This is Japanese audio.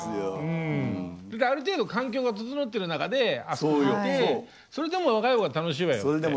ある程度環境が整ってる中であそこにいてそれでも「若い方が楽しいわよ」って。